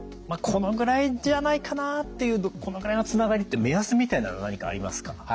このぐらいじゃないかなっていうこのぐらいのつながりって目安みたいのは何かありますか？